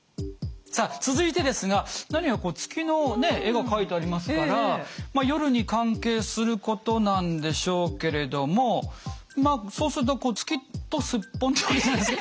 さあ続いてですが何やらこう月の絵が描いてありますからまあ夜に関係することなんでしょうけれどもまあそうすると「月とすっぽん」とか。